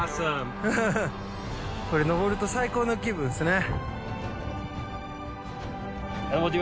これ、登ると最高の気分ですね。